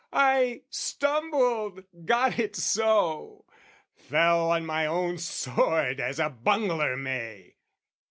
I stumbled, got it so! Fell on my own sword as a bungler may!